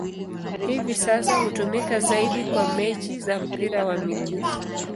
Hivi sasa hutumika zaidi kwa mechi za mpira wa miguu.